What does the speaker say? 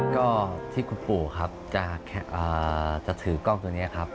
ก็ที่คุณปู่ครับจะถือกล้องตัวนี้ครับ